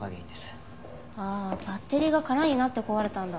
ああバッテリーが空になって壊れたんだ。